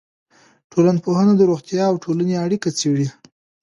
ټولنپوهنه د روغتیا او ټولنې اړیکه څېړي.